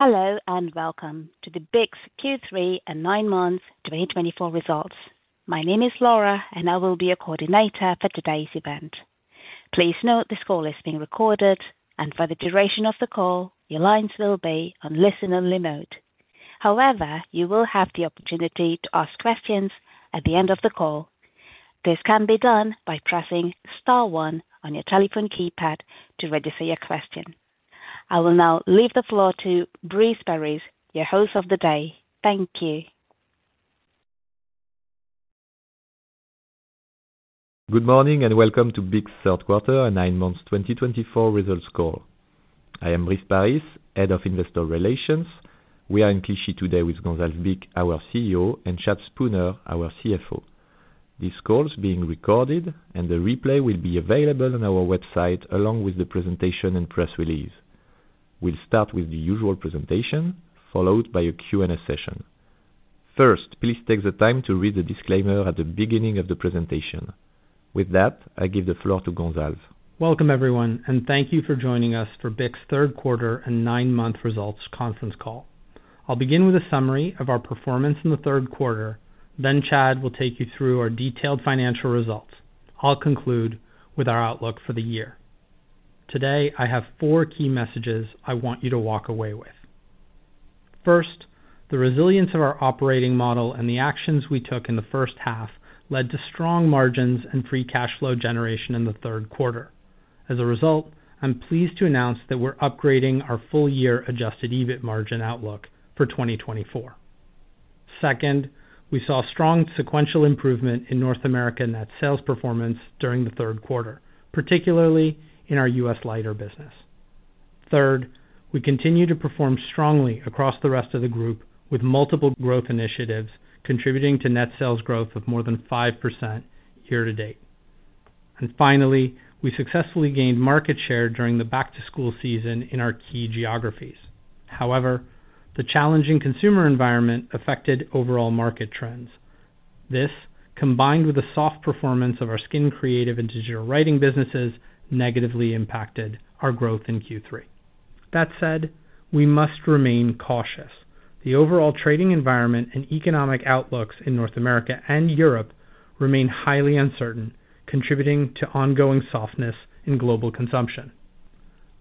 Hello, and welcome to BIC's Q3 and nine months 2024 results. My name is Laura, and I will be your coordinator for today's event. Please note, this call is being recorded, and for the duration of the call, your lines will be on listen-only mode. However, you will have the opportunity to ask questions at the end of the call. This can be done by pressing star one on your telephone keypad to register your question. I will now leave the floor to Brice Paris, your host of the day. Thank you. Good morning, and welcome to BIC's third quarter and nine months 2024 results call. I am Brice Paris, Head of Investor Relations. We are in Clichy today with Gonzalve Bich, our CEO, and Chad Spooner, our CFO. This call is being recorded, and the replay will be available on our website, along with the presentation and press release. We'll start with the usual presentation, followed by a Q&A session. First, please take the time to read the disclaimer at the beginning of the presentation. With that, I give the floor to Gonzalve. Welcome, everyone, and thank you for joining us for BIC's third quarter and nine-month results conference call. I'll begin with a summary of our performance in the third quarter, then Chad will take you through our detailed financial results. I'll conclude with our outlook for the year. Today, I have four key messages I want you to walk away with. First, the resilience of our operating model and the actions we took in the first half led to strong margins and free cash flow generation in the third quarter. As a result, I'm pleased to announce that we're upgrading our full year adjusted EBIT margin outlook for 2024. Second, we saw strong sequential improvement in North America net sales performance during the third quarter, particularly in our U.S. lighter business. Third, we continue to perform strongly across the rest of the group, with multiple growth initiatives contributing to net sales growth of more than 5% year to date. And finally, we successfully gained market share during the back-to-school season in our key geographies. However, the challenging consumer environment affected overall market trends. This, combined with the soft performance of our Skin Creative and Digital Writing businesses, negatively impacted our growth in Q3. That said, we must remain cautious. The overall trading environment and economic outlooks in North America and Europe remain highly uncertain, contributing to ongoing softness in global consumption.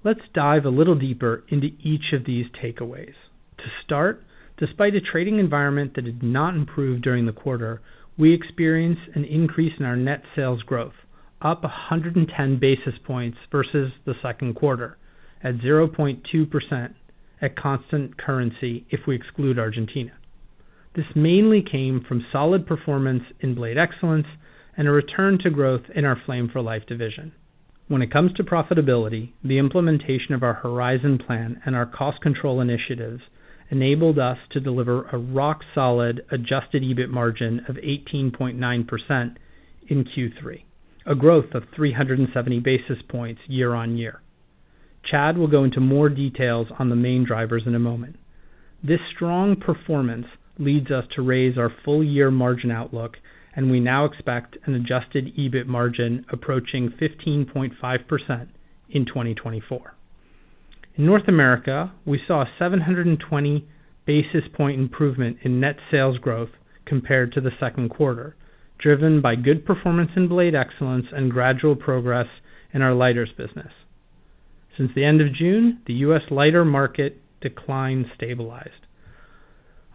Let's dive a little deeper into each of these takeaways. To start, despite a trading environment that did not improve during the quarter, we experienced an increase in our net sales growth, up 110 basis points versus the second quarter, at 0.2% at constant currency if we exclude Argentina. This mainly came from solid performance in Blade Excellence and a return to growth in our Flame for Life division. When it comes to profitability, the implementation of our Horizon Plan and our cost control initiatives enabled us to deliver a rock-solid adjusted EBIT margin of 18.9% in Q3, a growth of 370 basis points year on year. Chad will go into more details on the main drivers in a moment. This strong performance leads us to raise our full-year margin outlook, and we now expect an adjusted EBIT margin approaching 15.5% in 2024. In North America, we saw a 720 basis point improvement in net sales growth compared to the second quarter, driven by good performance in Blade Excellence and gradual progress in our lighters business. Since the end of June, the US lighter market decline stabilized.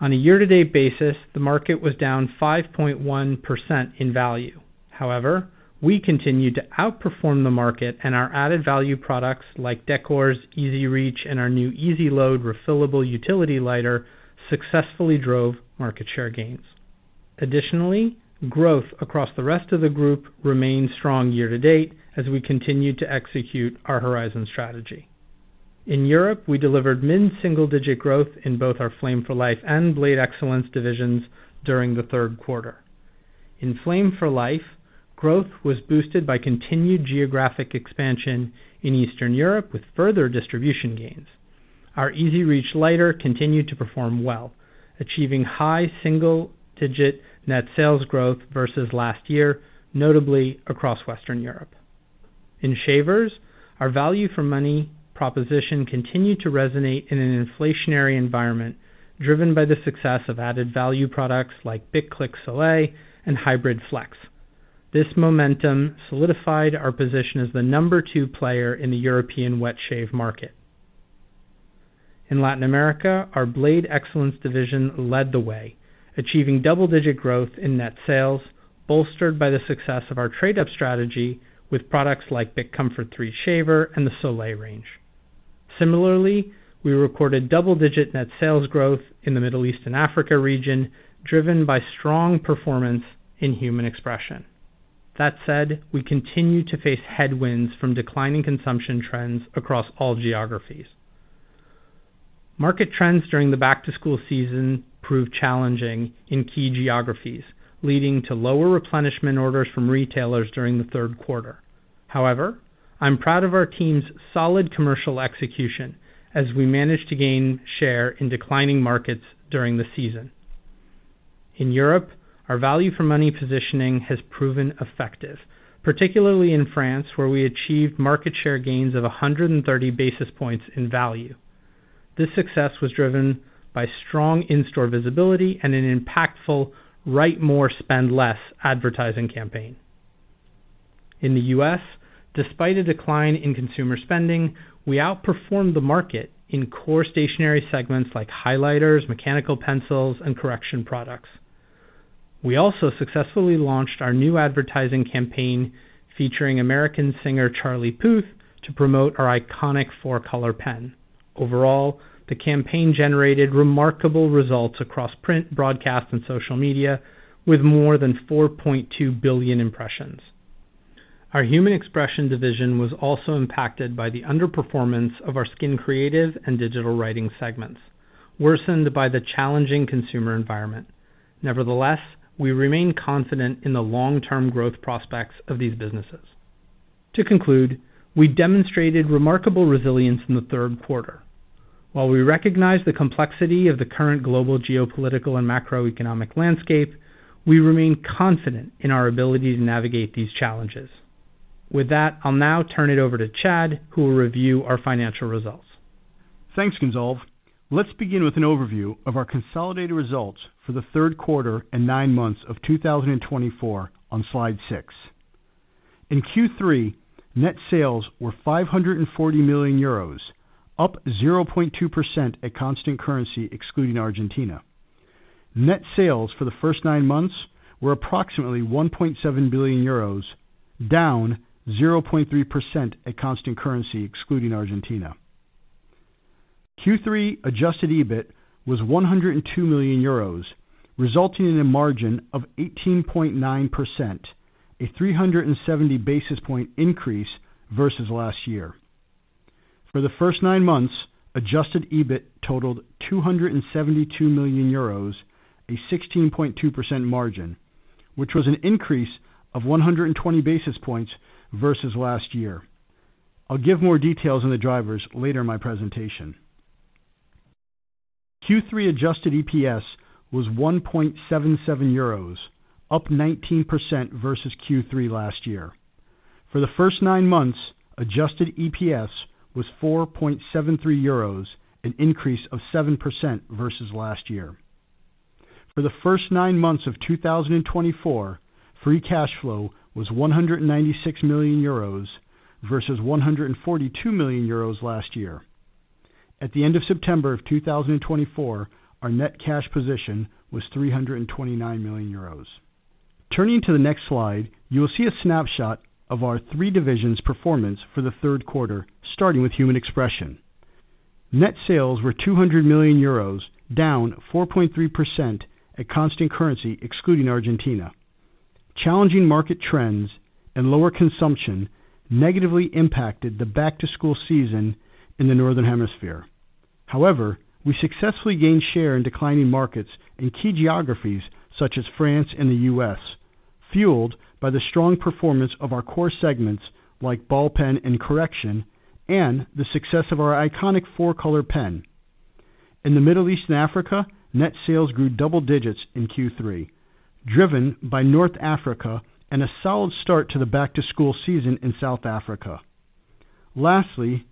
On a year-to-date basis, the market was down 5.1% in value. However, we continued to outperform the market, and our added value products, like Decors, EZ Reach, and our new EZ Load refillable utility lighter, successfully drove market share gains. Additionally, growth across the rest of the group remained strong year to date as we continued to execute our Horizon strategy. In Europe, we delivered mid-single-digit growth in both our Flame for Life and Blade Excellence divisions during the third quarter. In Flame for Life, growth was boosted by continued geographic expansion in Eastern Europe, with further distribution gains. Our EZ Reach lighter continued to perform well, achieving high single-digit net sales growth versus last year, notably across Western Europe. In shavers, our value for money proposition continued to resonate in an inflationary environment, driven by the success of added-value products like BIC Click Soleil and Hybrid Flex. This momentum solidified our position as the number two player in the European wet shave market. In Latin America, our Blade Excellence division led the way, achieving double-digit growth in net sales, bolstered by the success of our trade-up strategy with products like BIC Comfort 3 shaver and the Soleil range. Similarly, we recorded double-digit net sales growth in the Middle East and Africa region, driven by strong performance in Human Expression. That said, we continue to face headwinds from declining consumption trends across all geographies. Market trends during the back-to-school season proved challenging in key geographies, leading to lower replenishment orders from retailers during the third quarter. However, I'm proud of our team's solid commercial execution as we managed to gain share in declining markets during the season.... In Europe, our value for money positioning has proven effective, particularly in France, where we achieved market share gains of 130 basis points in value. This success was driven by strong in-store visibility and an impactful Write More, Spend Less advertising campaign. In the U.S., despite a decline in consumer spending, we outperformed the market in core stationery segments like highlighters, mechanical pencils, and correction products. We also successfully launched our new advertising campaign, featuring American singer Charlie Puth, to promote our iconic 4-Color pen. Overall, the campaign generated remarkable results across print, broadcast, and social media, with more than 4.2 billion impressions. Our Human Expression division was also impacted by the underperformance of our Skin Creative and Digital Writing segments, worsened by the challenging consumer environment. Nevertheless, we remain confident in the long-term growth prospects of these businesses. To conclude, we demonstrated remarkable resilience in the third quarter. While we recognize the complexity of the current global geopolitical and macroeconomic landscape, we remain confident in our ability to navigate these challenges. With that, I'll now turn it over to Chad, who will review our financial results. Thanks, Gonzalve. Let's begin with an overview of our consolidated results for the third quarter and nine months of 2024 on slide 6. In Q3, net sales were 540 million euros, up 0.2% at constant currency, excluding Argentina. Net sales for the first nine months were approximately 1.7 billion euros, down 0.3% at constant currency, excluding Argentina. Q3 adjusted EBIT was 102 million euros, resulting in a margin of 18.9%, a 370 basis point increase versus last year. For the first nine months, adjusted EBIT totaled 272 million euros, a 16.2% margin, which was an increase of 120 basis points versus last year. I'll give more details on the drivers later in my presentation. Q3 adjusted EPS was 1.77 euros, up 19% versus Q3 last year. For the first nine months, adjusted EPS was 4.73 euros, an increase of 7% versus last year. For the first nine months of 2024, free cash flow was 196 million euros, versus 142 million euros last year. At the end of September 2024, our net cash position was 329 million euros. Turning to the next slide, you will see a snapshot of our three divisions' performance for the third quarter, starting with Human Expression. Net sales were 200 million euros, down 4.3% at constant currency, excluding Argentina. Challenging market trends and lower consumption negatively impacted the back-to-school season in the Northern Hemisphere. However, we successfully gained share in declining markets in key geographies such as France and the US, fueled by the strong performance of our core segments like Ballpen and Correction, and the success of our iconic 4-color pen. In the Middle East and Africa, net sales grew double digits in Q3, driven by North Africa and a solid start to the back-to-school season in South Africa. Lastly,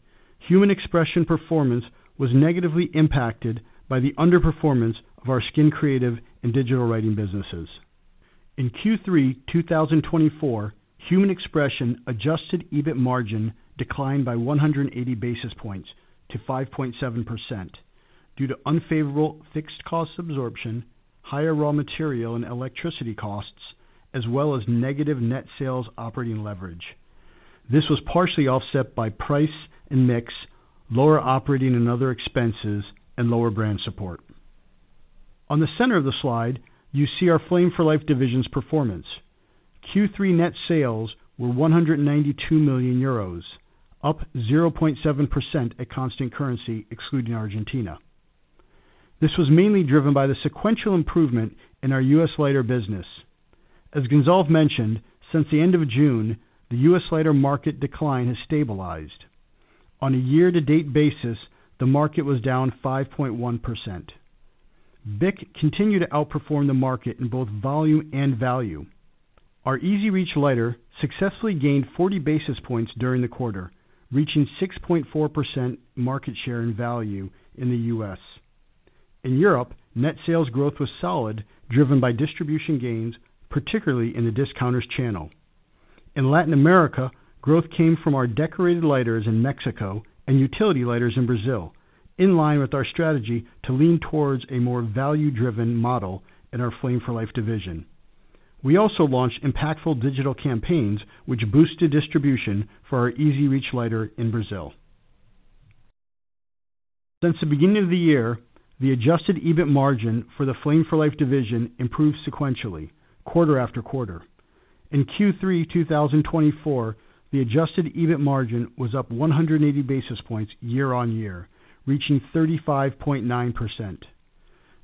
Human Expression performance was negatively impacted by the underperformance of our Skin Creative and Digital Writing businesses. In Q3 2024, Human Expression adjusted EBIT margin declined by 180 basis points to 5.7% due to unfavorable fixed cost absorption, higher raw material and electricity costs, as well as negative net sales operating leverage. This was partially offset by price and mix, lower operating and other expenses, and lower brand support. On the center of the slide, you see our Flame for Life division's performance. Q3 net sales were 192 million euros, up 0.7% at constant currency, excluding Argentina. This was mainly driven by the sequential improvement in our U.S. lighter business. As Gonzalve mentioned, since the end of June, the U.S. lighter market decline has stabilized. On a year-to-date basis, the market was down 5.1%. BIC continued to outperform the market in both volume and value. Our EZ Reach lighter successfully gained 40 basis points during the quarter, reaching 6.4% market share and value in the U.S. In Europe, net sales growth was solid, driven by distribution gains, particularly in the discounters channel. In Latin America, growth came from our decorated lighters in Mexico and utility lighters in Brazil, in line with our strategy to lean towards a more value-driven model in our Flame for Life division. We also launched impactful digital campaigns, which boosted distribution for our EZ Reach lighter in Brazil. Since the beginning of the year, the adjusted EBIT margin for the Flame for Life division improved sequentially, quarter after quarter. In Q3 2024, the adjusted EBIT margin was up 180 basis points year on year, reaching 35.9%.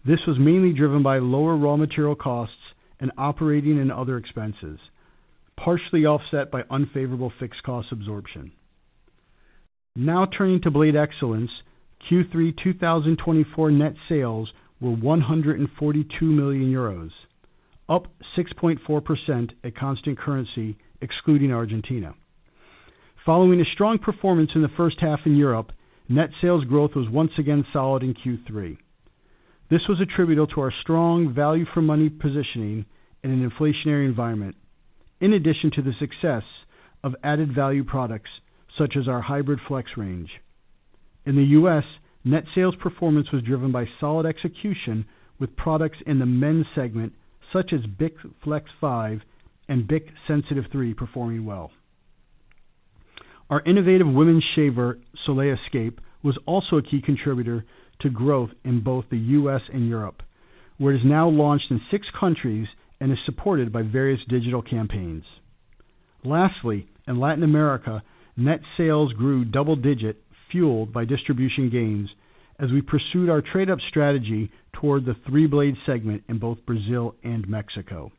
This was mainly driven by lower raw material costs and operating and other expenses, partially offset by unfavorable fixed cost absorption. Now turning to Blade Excellence. Q3 2024 net sales were 142 million euros, up 6.4% at constant currency, excluding Argentina. Following a strong performance in the first half in Europe, net sales growth was once again solid in Q3. This was attributable to our strong value for money positioning in an inflationary environment, in addition to the success of added value products such as our Hybrid Flex range. In the U.S., net sales performance was driven by solid execution, with products in the men's segment, such as BIC Flex 5 and BIC Sensitive 3, performing well. Our innovative women's shaver, Soleil Escape, was also a key contributor to growth in both the U.S. and Europe, where it is now launched in six countries and is supported by various digital campaigns. Lastly, in Latin America, net sales grew double-digit, fueled by distribution gains as we pursued our trade-up strategy toward the three-blade segment in both Brazil and Mexico.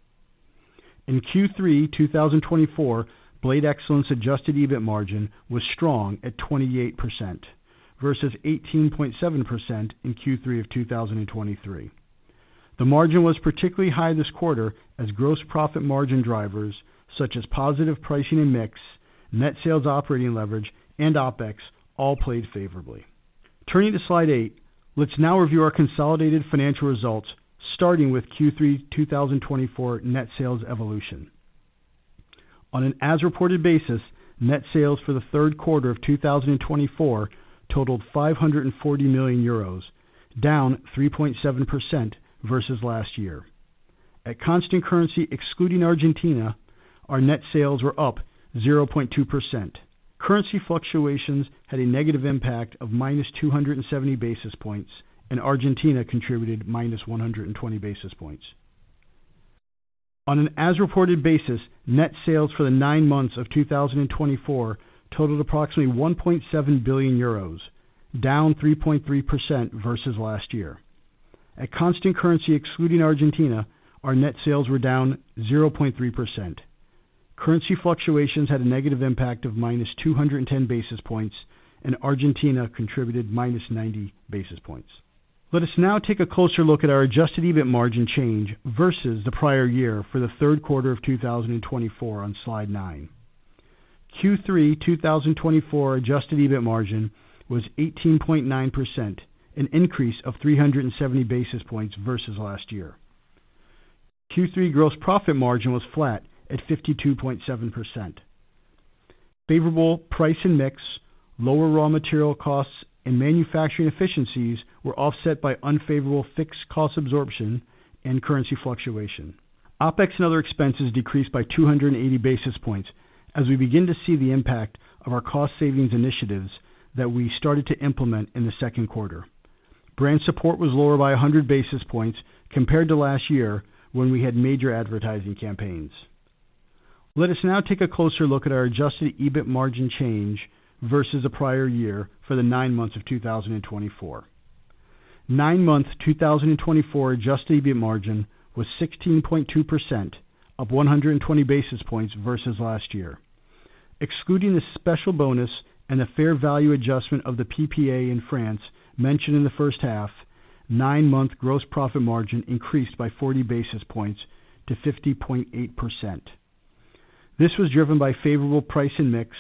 In Q3 2024, Blade Excellence adjusted EBIT margin was strong at 28%, versus 18.7% in Q3 of 2023. The margin was particularly high this quarter as gross profit margin drivers such as positive pricing and mix, net sales, operating leverage, and OpEx, all played favorably. Turning to slide 8, let's now review our consolidated financial results, starting with Q3 2024 net sales evolution. On an as-reported basis, net sales for the third quarter of 2024 totaled 540 million euros, down 3.7% versus last year. At constant currency, excluding Argentina, our net sales were up 0.2%. Currency fluctuations had a negative impact of minus 270 basis points, and Argentina contributed minus 120 basis points. On an as-reported basis, net sales for the nine months of 2024 totaled approximately 1.7 billion euros, down 3.3% versus last year. At constant currency, excluding Argentina, our net sales were down 0.3%. Currency fluctuations had a negative impact of minus 210 basis points, and Argentina contributed minus 90 basis points. Let us now take a closer look at our adjusted EBIT margin change versus the prior year for the third quarter of 2024 on Slide 9. Q3 2024 adjusted EBIT margin was 18.9%, an increase of 370 basis points versus last year. Q3 gross profit margin was flat at 52.7%. Favorable price and mix, lower raw material costs and manufacturing efficiencies were offset by unfavorable fixed cost absorption and currency fluctuation. OpEx and other expenses decreased by 280 basis points as we begin to see the impact of our cost savings initiatives that we started to implement in the second quarter. Brand support was lower by 100 basis points compared to last year, when we had major advertising campaigns. Let us now take a closer look at our adjusted EBIT margin change versus the prior year for the nine months of 2024. Nine months 2024 adjusted EBIT margin was 16.2%, up 120 basis points versus last year. Excluding the special bonus and the fair value adjustment of the PPA in France mentioned in the first half, nine-month gross profit margin increased by 40 basis points to 50.8%. This was driven by favorable price and mix,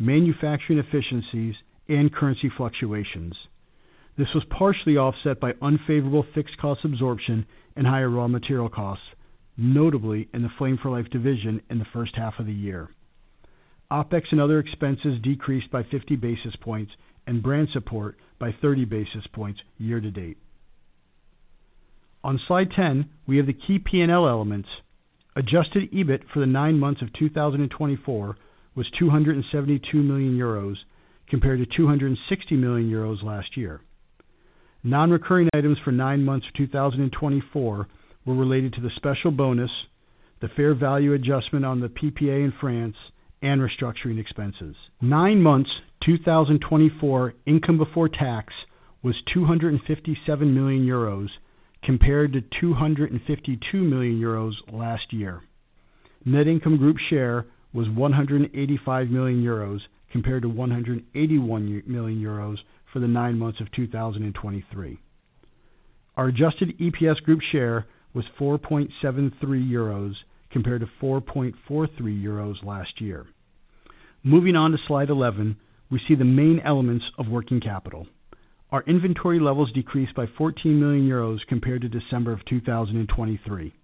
manufacturing efficiencies, and currency fluctuations. This was partially offset by unfavorable fixed cost absorption and higher raw material costs, notably in the Flame for Life division in the first half of the year. OpEx and other expenses decreased by 50 basis points and brand support by 30 basis points year to date. On Slide 10, we have the key P&L elements. Adjusted EBIT for the nine months of 2024 was 272 million euros, compared to 260 million euros last year. Non-recurring items for nine months of 2024 were related to the special bonus, the fair value adjustment on the PPA in France, and restructuring expenses. Nine months 2024 income before tax was 257 million euros, compared to 252 million euros last year. Net income group share was 185 million euros, compared to 181 million euros for the nine months of 2023. Our adjusted EPS group share was 4.73 euros, compared to 4.43 euros last year. Moving on to Slide 11, we see the main elements of working capital. Our inventory levels decreased by 14 million euros compared to December 2023.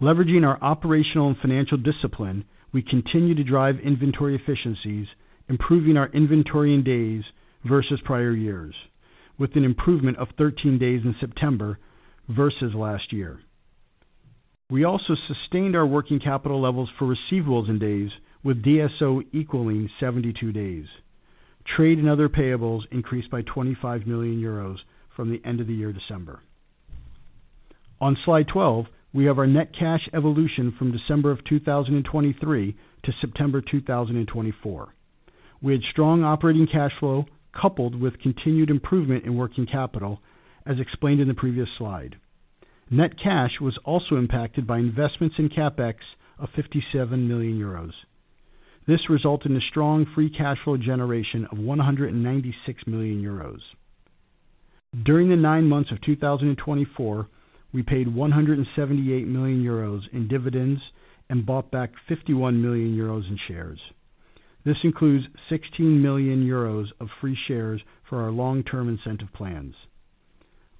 Leveraging our operational and financial discipline, we continue to drive inventory efficiencies, improving our inventory in days versus prior years, with an improvement of 13 days in September versus last year. We also sustained our working capital levels for receivables in days, with DSO equaling 72 days. Trade and other payables increased by 25 million euros from the end of the year, December. On Slide 12, we have our net cash evolution from December 2023-September 2024. We had strong operating cash flow, coupled with continued improvement in working capital, as explained in the previous slide. Net cash was also impacted by investments in CapEx of 57 million euros. This resulted in a strong free cash flow generation of 196 million euros. During the nine months of 2024, we paid 178 million euros in dividends and bought back 51 million euros in shares. This includes 16 million euros of free shares for our long-term incentive plans.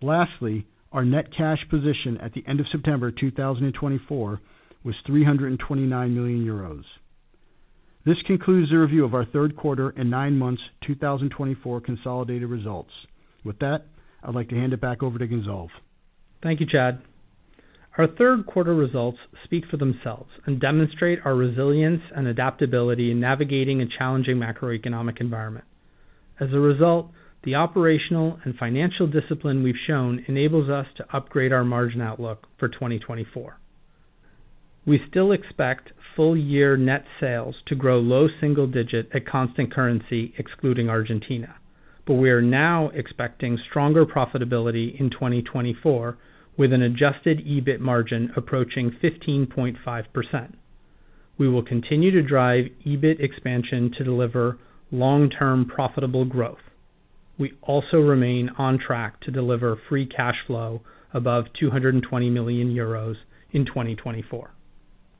Lastly, our net cash position at the end of September 2024 was 329 million euros. This concludes the review of our third quarter and nine months 2024 consolidated results. With that, I'd like to hand it back over to Gonzalve. Thank you, Chad. Our third quarter results speak for themselves and demonstrate our resilience and adaptability in navigating a challenging macroeconomic environment. As a result, the operational and financial discipline we've shown enables us to upgrade our margin outlook for 2024. We still expect full year net sales to grow low single digit at constant currency, excluding Argentina, but we are now expecting stronger profitability in 2024, with an adjusted EBIT margin approaching 15.5%. We will continue to drive EBIT expansion to deliver long-term profitable growth. We also remain on track to deliver free cash flow above 220 million euros in 2024.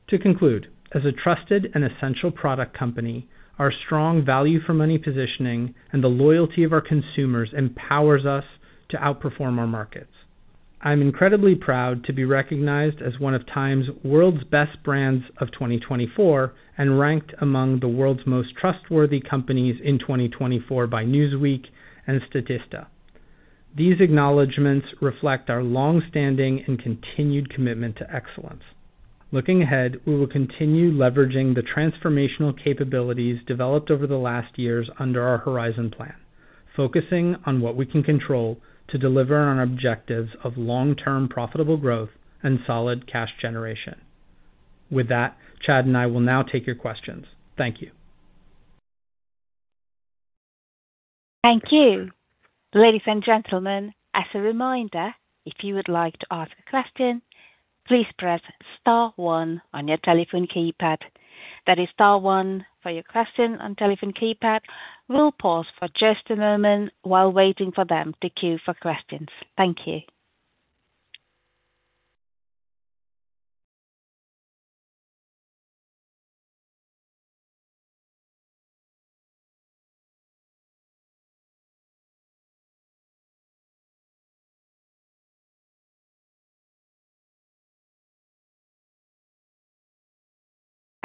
To conclude, as a trusted and essential product company, our strong value for money positioning and the loyalty of our consumers empowers us to outperform our markets. I'm incredibly proud to be recognized as one of TIME's World's Best Brands of 2024, and ranked among the World's Most Trustworthy Companies in 2024 by Newsweek and Statista. These acknowledgments reflect our long-standing and continued commitment to excellence. Looking ahead, we will continue leveraging the transformational capabilities developed over the last years under our Horizon Plan, focusing on what we can control to deliver on our objectives of long-term profitable growth and solid cash generation. With that, Chad and I will now take your questions. Thank you. Thank you. Ladies and gentlemen, as a reminder, if you would like to ask a question, please press star one on your telephone keypad. That is star one for your question on telephone keypad. We'll pause for just a moment while waiting for them to queue for questions. Thank you.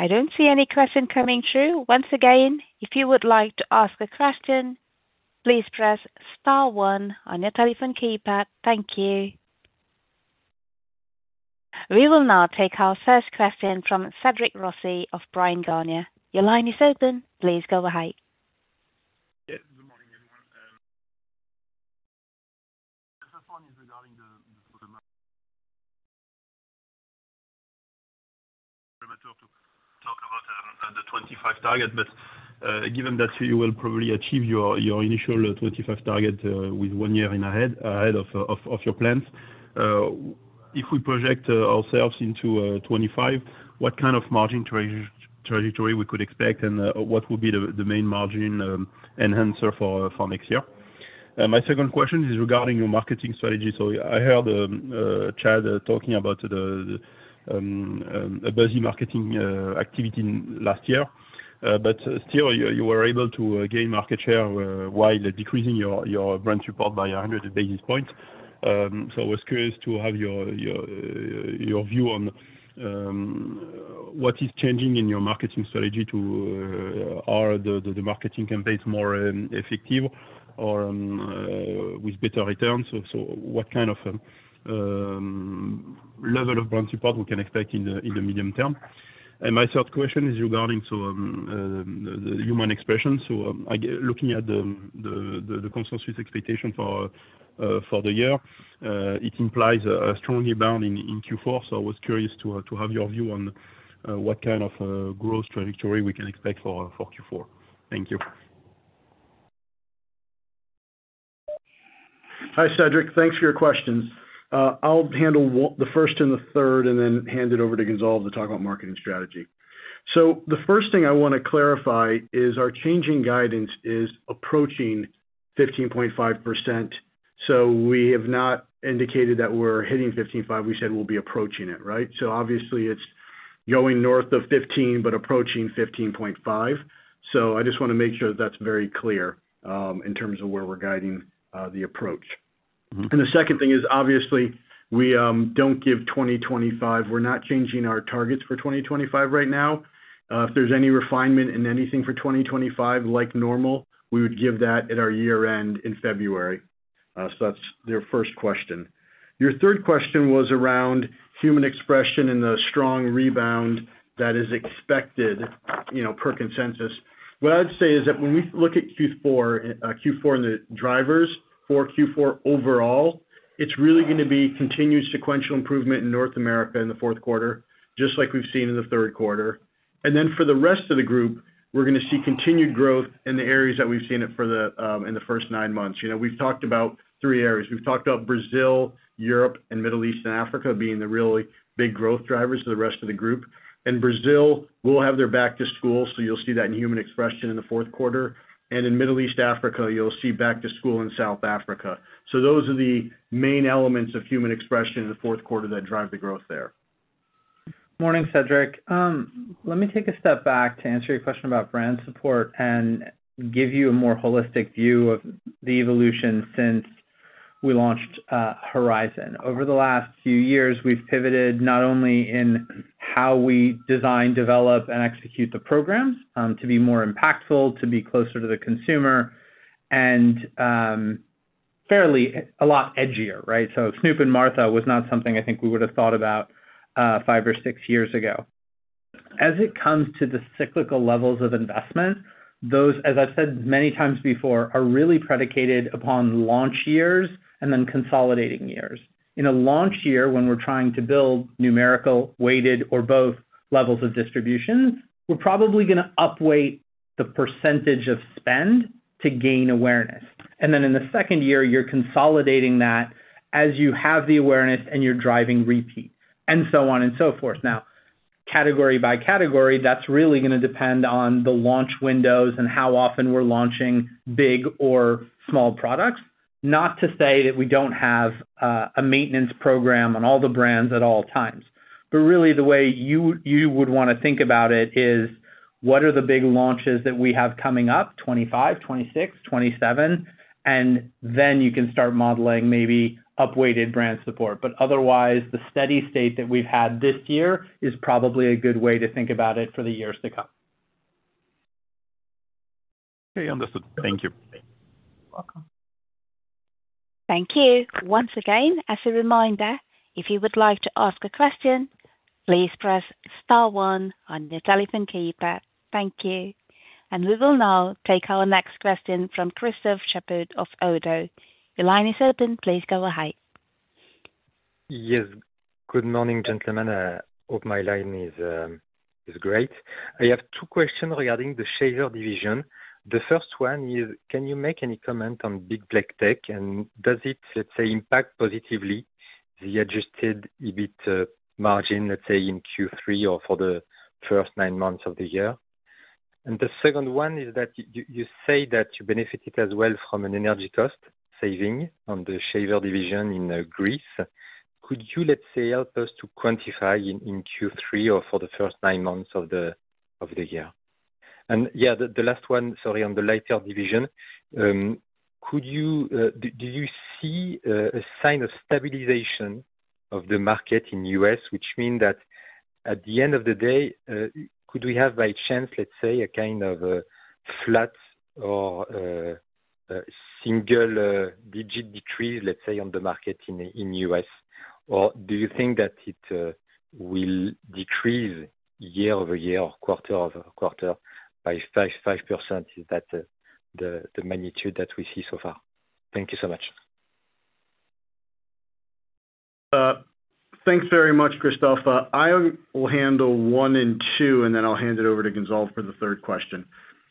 I don't see any question coming through. Once again, if you would like to ask a question, please press star one on your telephone keypad. Thank you. We will now take our first question from Cédric Rossi of Bryan, Garnier & Co. Your line is open. Please go ahead. Yeah, good morning, everyone. The first one is regarding the talk about the 2025 target, but given that you will probably achieve your initial 2025 target with one year ahead of your plans. If we project ourselves into 2025, what kind of margin trajectory we could expect, and what would be the main margin enhancer for next year? My second question is regarding your marketing strategy. So I heard Chad talking about a busy marketing activity last year, but still, you were able to gain market share while decreasing your brand support by a hundred basis points. So I was curious to have your view on what is changing in your marketing strategy to... Are the marketing campaigns more effective or with better returns? So what kind of level of brand support we can expect in the medium term? And my third question is regarding to the Human Expression. So I get looking at the consensus expectation for the year, it implies a strong rebound in Q4. So I was curious to have your view on what kind of growth trajectory we can expect for Q4. Thank you. Hi, Cédric. Thanks for your questions. I'll handle the first and the third, and then hand it over to Gonzalve to talk about marketing strategy. So the first thing I wanna clarify is our changing guidance is approaching 15.5%. So we have not indicated that we're hitting 15.5%. We said we'll be approaching it, right? So obviously it's going north of 15%, but approaching 15.5%. So I just wanna make sure that's very clear, in terms of where we're guiding, the approach. Mm-hmm. And the second thing is, obviously, we don't give 2025. We're not changing our targets for 2025 right now. If there's any refinement in anything for 2025, like normal, we would give that at our year-end in February. So that's your first question. Your third question was around Human Expression and the strong rebound that is expected, you know, per consensus. What I'd say is that when we look at Q4, Q4 and the drivers for Q4 overall, it's really gonna be continued sequential improvement in North America in the fourth quarter, just like we've seen in the third quarter. And then for the rest of the group, we're gonna see continued growth in the areas that we've seen it for the in the first nine months. You know, we've talked about three areas. We've talked about Brazil, Europe, and Middle East and Africa being the really big growth drivers for the rest of the group. In Brazil, we'll have their back to school, so you'll see that in Human Expression in the fourth quarter, and in Middle East, Africa, you'll see back to school in South Africa. Those are the main elements of Human Expression in the fourth quarter that drive the growth there. Morning, Cédric. Let me take a step back to answer your question about brand support and give you a more holistic view of the evolution since we launched Horizon. Over the last few years, we've pivoted not only in how we design, develop and execute the programs to be more impactful, to be closer to the consumer, and fairly, a lot edgier, right? So Snoop and Martha was not something I think we would have thought about five or six years ago. As it comes to the cyclical levels of investment, those, as I've said many times before, are really predicated upon launch years and then consolidating years. In a launch year, when we're trying to build numerical, weighted, or both levels of distribution, we're probably gonna upweight the percentage of spend to gain awareness. And then in the second year, you're consolidating that as you have the awareness and you're driving repeat, and so on and so forth. Now, category by category, that's really gonna depend on the launch windows and how often we're launching big or small products. Not to say that we don't have a maintenance program on all the brands at all times. But really, the way you would want to think about it is, what are the big launches that we have coming up, 2025, 2026, 2027? And then you can start modeling maybe upweighted brand support. But otherwise, the steady state that we've had this year is probably a good way to think about it for the years to come. Okay, understood. Thank you. You're welcome. Thank you. Once again, as a reminder, if you would like to ask a question, please press star one on your telephone keypad. Thank you, and we will now take our next question from Christophe Chaput of ODDO BHF. Your line is open. Please go ahead. Yes. Good morning, gentlemen. Hope my line is great. I have two questions regarding the shaver division. The first one is, can you make any comment on BIC Blade Tech, and does it, let's say, impact positively the adjusted EBIT margin, let's say, in Q3 or for the first nine months of the year? And the second one is that you say that you benefited as well from an energy cost saving on the shaver division in Greece. Could you, let's say, help us to quantify in Q3 or for the first nine months of the year? Yeah, the last one, sorry, on the lighter division, could you, do you see a sign of stabilization of the market in the U.S., which mean that at the end of the day, could we have, by chance, let's say, a kind of a flat or a single digit decrease, let's say, on the market in the U.S.? Or do you think that it will decrease year-over-year or quarter-over-quarter by 5%? Is that the magnitude that we see so far? Thank you so much. Thanks very much, Christophe. I will handle one and two, and then I'll hand it over to Gonzalve for the third question.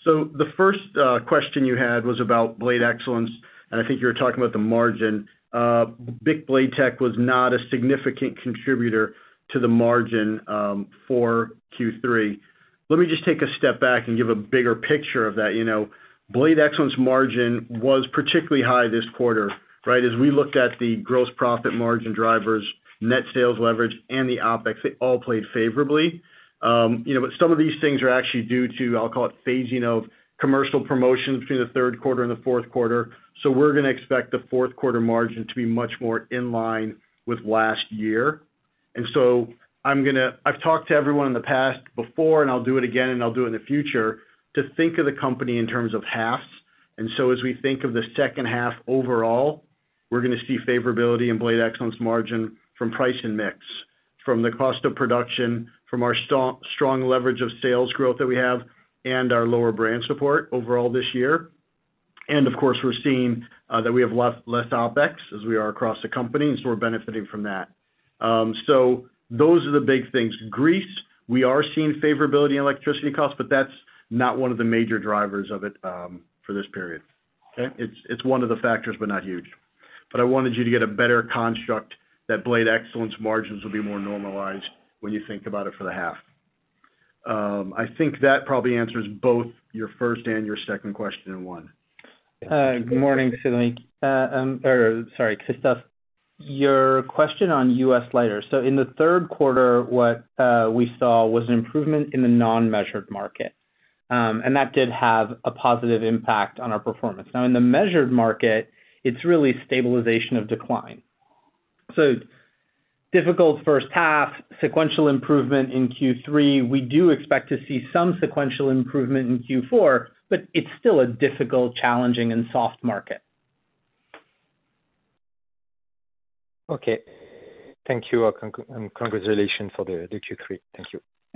The first question you had was about Blade Excellence, and I think you were talking about the margin. BIC Blade Tech was not a significant contributor to the margin for Q3. Let me just take a step back and give a bigger picture of that. You know, Blade Excellence margin was particularly high this quarter, right? As we looked at the gross profit margin drivers, net sales leverage, and the OpEx, they all played favorably. You know, but some of these things are actually due to, I'll call it, phasing of commercial promotions between the third quarter and the fourth quarter. We're gonna expect the fourth quarter margin to be much more in line with last year. And so, I'm gonna. I've talked to everyone in the past before, and I'll do it again, and I'll do it in the future, to think of the company in terms of halves. And so as we think of the second half overall, we're gonna see favorability in Blade Excellence margin from price and mix, from the cost of production, from our strong leverage of sales growth that we have, and our lower brand support overall this year. And of course, we're seeing that we have less OpEx as we are across the company, and so we're benefiting from that. So those are the big things. Greece, we are seeing favorability in electricity costs, but that's not one of the major drivers of it for this period. Okay. It's one of the factors, but not huge. But I wanted you to get a better construct that Blade Excellence margins will be more normalized when you think about it for the half. I think that probably answers both your first and your second question in one. Good morning, Cédric. Or sorry, Christophe. Your question on U.S. lighters. So in the third quarter, we saw was an improvement in the non-measured market, and that did have a positive impact on our performance. Now, in the measured market, it's really stabilization of decline. Difficult first half, sequential improvement in Q3. We do expect to see some sequential improvement in Q4, but it's still a difficult, challenging, and soft market. Okay. Thank you, and congratulations for the Q3. Thank you.